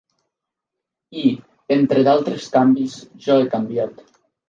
I, entre d"altres canvis, jo he canviat.